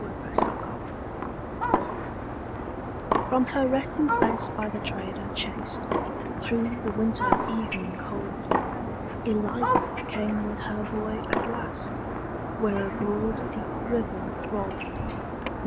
ELIZA CROSSING THE RIVER From her resting place by the trader chased, Through the winter evening cold, Eliza came with her boy at last, Where a broad deep river rolled.